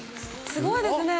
すごいですね。